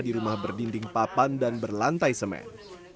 di rumah berdinding papan dan berlantai semen